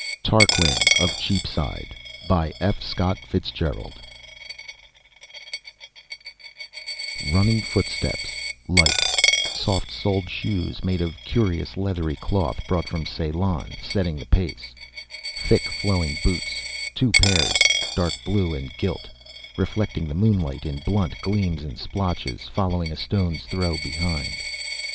TARQUIN OF CHEAPSIDE Running footsteps light, soft soled shoes made of curious leathery cloth brought from Ceylon setting the pace; thick flowing boots, two pairs, dark blue and gilt, reflecting the moonlight in blunt gleams and splotches, following a stone's throw behind.